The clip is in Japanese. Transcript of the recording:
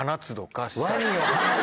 ワニを放つ。